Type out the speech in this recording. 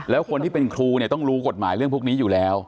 แล้วคนที่เป็นครูเนี่ยต้องรู้กฎหมายเรื่องพวกนี้อยู่แล้ว